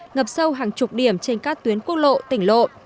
ngập sâu hàng chục điểm trên các tuyến quốc lộ tỉnh lộ